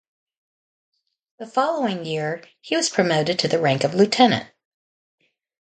The following year he was promoted to the rank of lieutenant.